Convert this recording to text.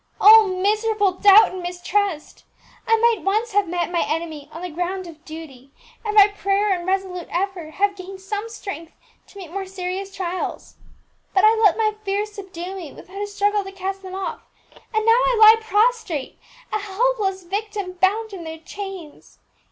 "Oh, miserable doubt and mistrust! I might once have met my enemy on the ground of duty, and by prayer and resolute effort have gained some strength to meet more serious trials; but I let my fears subdue me without a struggle to cast them off, and now I lie prostrate, a helpless victim bound in their chains.